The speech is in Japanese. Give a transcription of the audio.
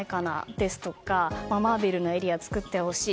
ですとかマーベルのエリアを作ってほしい。